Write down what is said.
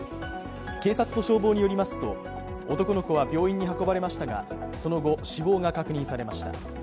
警察と消防によりますと男の子は病院に運ばれましたが、その後、死亡が確認されました。